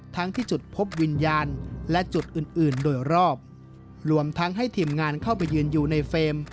ทั้งที่จุดพบวิญญาณและจุดอื่นอื่นโดยรอบรวมทั้งให้ทีมงานเข้าไปยืนอยู่ในเฟรม